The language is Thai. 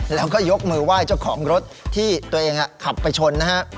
แล้วก็ยกมือไหว้เจ้าของรถที่ตัวเองขับไปชนนะฮะ